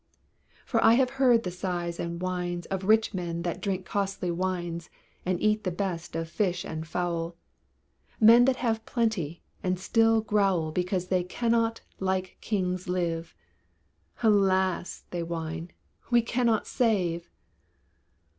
For I have heard the sighs and whines Of rich men that drink costly wines And eat the best of fish and fowl; Men that have plenty, and still growl Because they cannot like kings live "Alas!" they whine, "we cannot save."